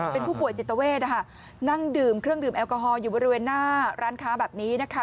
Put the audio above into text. เป็นผู้ป่วยจิตเวทนั่งดื่มเครื่องดื่มแอลกอฮอลอยู่บริเวณหน้าร้านค้าแบบนี้นะคะ